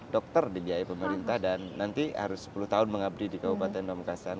dokter dibiayai pemerintah dan nanti harus sepuluh tahun mengabdi di kabupaten pamekasan